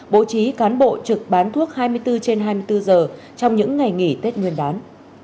bố trí cán bộ trực bán thuốc hai mươi bốn trên hai mươi bốn giờ trong những ngày nghỉ tết nguyên đán